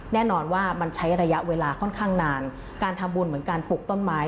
แน่นอนว่ามันใช้ระยะเวลาค่อนข้างนานการทำบุญเหมือนการปลูกต้นไม้